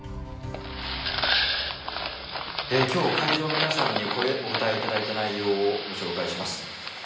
今日会場の皆さんにお答え頂いた内容をご紹介します。